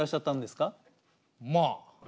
まあ！